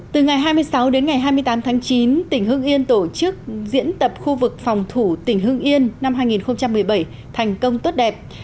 từ ngày hai mươi sáu đến ngày hai mươi tám tháng chín tỉnh hưng yên tổ chức diễn tập khu vực phòng thủ tỉnh hương yên năm hai nghìn một mươi bảy thành công tốt đẹp